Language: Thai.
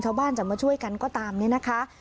ชาวบ้านจะมาช่วยกันก็ตามเนี่ยนะคะ